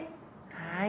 はい。